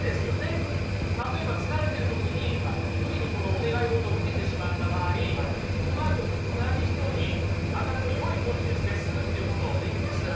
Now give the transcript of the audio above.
例えば疲れてる時に無理にこのお願い事を受けてしまった場合そのあと同じ人にまたこれよいポジで接するっていうことできます？